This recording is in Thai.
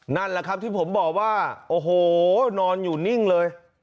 นั่นแหละครับที่ผมบอกว่าโอ้โหนอนอยู่นิ่งเลย